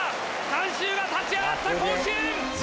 観衆が立ち上がった甲子園！